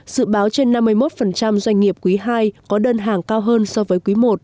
dự báo trên năm mươi một doanh nghiệp quý hai có đơn hàng cao hơn so với quý một